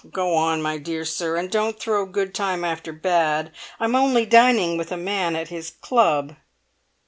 "Go on, my dear sir, and don't throw good time after bad. I'm only dining with a man at his club.